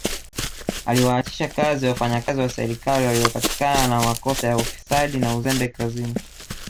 Aliwaachisha kazi wafanyikazi wa serikali waliopatikana na makosa ya ufisadi na uzembe kazini